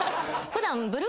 普段。